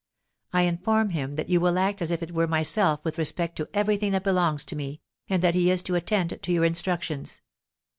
I inform him that you will act as if it were myself with respect to everything that belongs to me, and that he is to attend to your instructions.